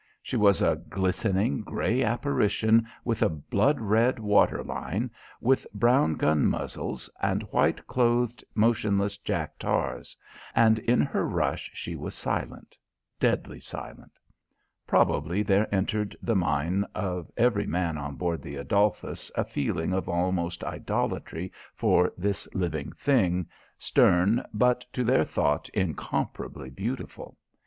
She was a glistening grey apparition with a blood red water line, with brown gun muzzles and white clothed motionless jack tars; and in her rush she was silent, deadly silent. Probably there entered the mind of every man on board the Adolphus a feeling of almost idolatry for this living thing, stern but, to their thought, incomparably beautiful.